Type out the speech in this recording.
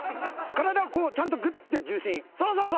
体をこうちゃんとグッて重心そうそうそう。